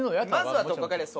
まずはとっかかりはそう。